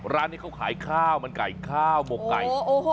ร้านนี้เขาขายข้าวมันไก่ข้าวหมกไก่